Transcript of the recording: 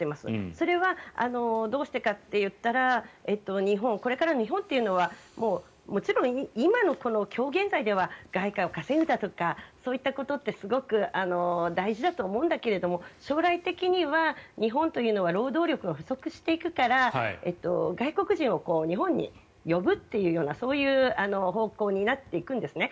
それはどうしてかといったらこれから日本というのはもちろん今の今日現在では外貨を稼ぐだとかそういったことってすごく大事だと思うんだけれど将来的には日本というのは労働力が不足していくから外国人を日本に呼ぶというそういう方向になっていくんですね。